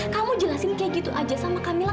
kamu jelasin kayak gitu aja sama camilla